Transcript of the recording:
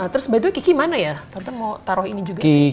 terus by the way kiki mana ya tante mau taruh ini juga sih